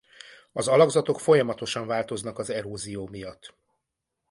Az alakzatok folyamatosan változnak az erózió miatt.